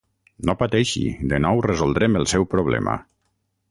No pateixi, de nou resoldrem el seu problema.